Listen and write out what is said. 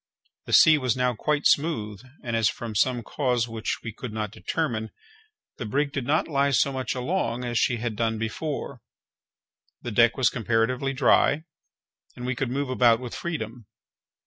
The sea was now quite smooth, and as, from some cause which we could not determine, the brig did not lie so much along as she had done before, the deck was comparatively dry, and we could move about with freedom.